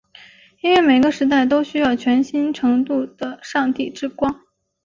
因为每个时代都需要全新程度的上帝之光。